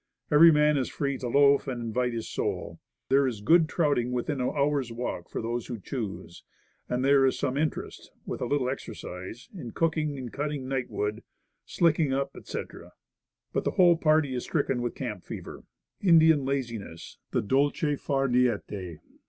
Every man is free to "loaf, and invite his soul." There is good trouting within an hour's walk for those who choose, Progress f 89 and there is some interest, with a little exercise, in cooking and cutting night wood, slicking up, etc. But the whole party is stricken with "camp fever," "Indian laziness," the dole e far nie?ite.